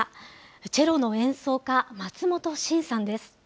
チェロの演奏家、松本晋さんです。